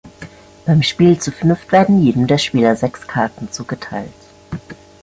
Beim Spiel zu fünft werden jedem der Spieler sechs Karten zugeteilt.